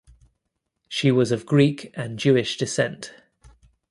She was of Greek and Jewish descent.